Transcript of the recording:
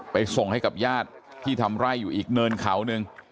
ส่งให้กับญาติที่ทำไร่อยู่อีกเนินเขาหนึ่ง